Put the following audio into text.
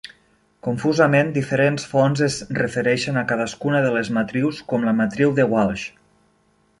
Confusament, diferents fonts es refereixen a cadascuna de les matrius com la matriu de Walsh.